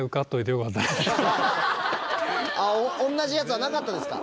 あっ同じやつはなかったですか？